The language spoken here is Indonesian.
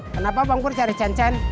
kenapa bang pur cari cencen